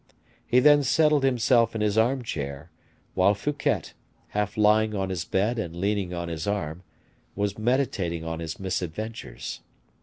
He then settled himself in his armchair, while Fouquet, half lying on his bed and leaning on his arm, was meditating on his misadventures.